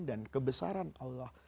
dan kebesaran allah